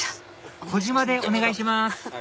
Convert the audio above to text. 「小島」でお願いします